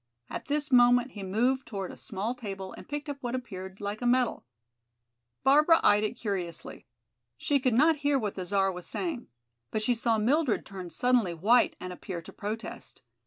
At this moment he moved toward a small table and picked up what appeared like a medal. Barbara eyed it curiously. She could not hear what the Czar was saying. But she saw Mildred turn suddenly white and appear to protest.